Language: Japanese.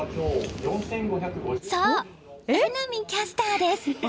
そう、榎並キャスターです。